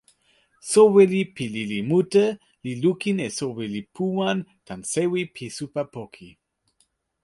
soweli pi lili mute li lukin e soweli Puwan tan sewi pi supa poki.